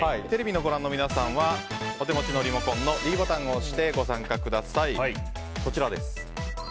テレビをご覧の皆さんはお手持ちのリモコンのｄボタンを押してご参加ください。